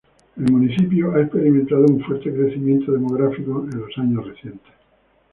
El municipio ha experimentado un fuerte crecimiento demográfico en los años recientes.